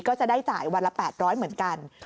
ก็จะได้จ่ายวันละ๘๐๐เหมือนกัน